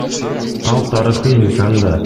Ал тарыхый инсан да.